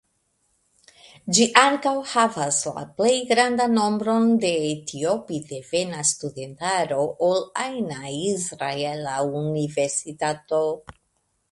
Ĝi ankaŭ havas la plej grandan nombron de etiopidevena studentaro ol ajna israela universitato.